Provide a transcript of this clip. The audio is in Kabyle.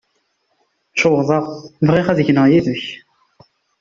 Cewḍeɣ, bɣiɣ ad gneɣ yid-k.